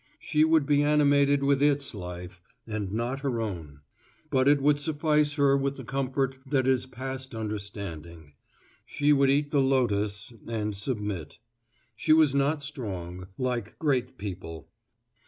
She would be animated with its life, not her own; but it would suffuse her with the comfort that is past understanding. She would eat the lotus and submit. She was not strong, like great people.